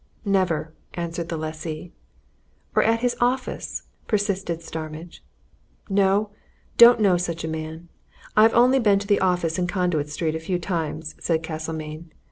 "Never!" answered the lessee. "Or at his office?" persisted Starmidge. "No don't know such a man! I've only been to the offices in Conduit Street a few times," said Castlemayne.